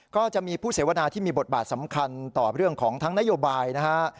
ก็จะมีผู้เสวนาที่มีบทบาทสำคัญต่อเรื่องของทั้งนโยบายนะฮะ